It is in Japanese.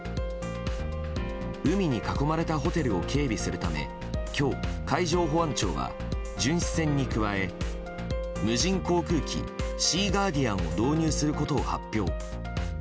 海に囲まれたホテルを警備するため今日、海上保安庁は巡視船に加え無人航空機「シーガーディアン」を導入することを発表。